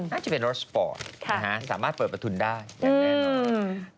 น่าจะเป็นรถสปอร์ตสามารถเปิดประทุนได้อย่างแน่นอน